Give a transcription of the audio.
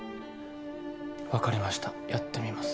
わかりましたやってみます。